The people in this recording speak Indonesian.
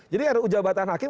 jadi ruu jabatan hakim